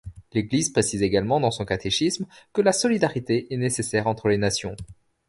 L'Église précise également dans son catéchisme que la solidarité est nécessaire entre les nations.